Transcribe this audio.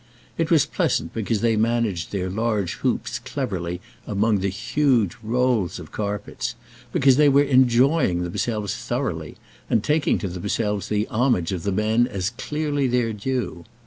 It was pleasant because they managed their large hoops cleverly among the huge rolls of carpets, because they were enjoying themselves thoroughly, and taking to themselves the homage of the men as clearly their due.